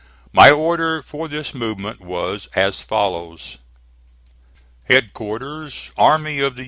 My order for this movement was as follows: HEADQUARTERS ARMIES OF THE U.